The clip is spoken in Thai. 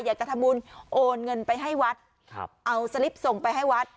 อยากจะทำบุญโอนเงินไปให้วัดครับเอาสลิปส่งไปให้วัด